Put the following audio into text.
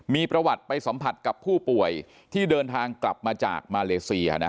มีประวัติไปสัมผัสกับผู้ป่วยที่เดินทางกลับมาจากมาเลเซีย